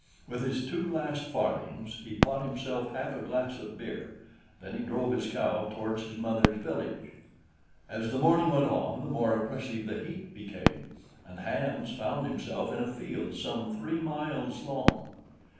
With his two last farthings, he bought himself half a glass of beer. Then he drove his cow towards his mother's village. As the morning went on, the more oppressive the heat became, and Hans found himself in a field some three miles long.